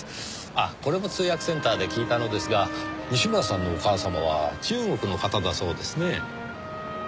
ああこれも通訳センターで聞いたのですが西村さんのお母様は中国の方だそうですねぇ。